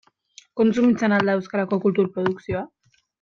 Kontsumitzen al da euskarazko kultur produkzioa?